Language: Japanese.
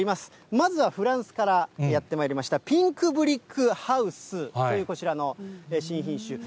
まずはフランスからやってまいりました、ピンクブリックハウスという、こちらの新品種。